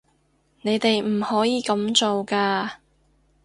你哋唔可以噉做㗎